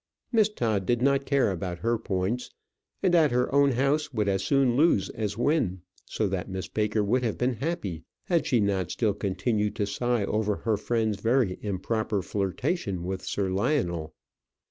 Miss Todd did not care about her points, and at her own house would as soon lose as win; so that Miss Baker would have been happy had she not still continued to sigh over her friend's very improper flirtation with Sir Lionel.